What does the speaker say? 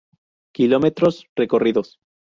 Kilómetros recorridos.